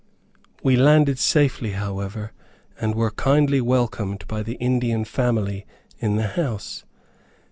We landed safely, however, and were kindly welcomed by the Indian family in the house.